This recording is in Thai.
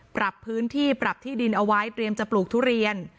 ปรับพื้นที่ปรับที่ดินเอาไว้เตรียมจะปลูกทุเรียน